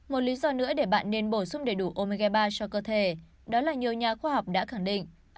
một lý do nữa để bạn nên bổ sung đầy đủ omega ba cho cơ thể đó là nhiều nhà khoa học đã khẳng định